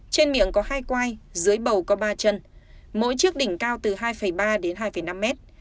trên miệng có hai quay dưới bầu có ba chân mỗi chiếc đỉnh cao từ hai ba đến hai năm mét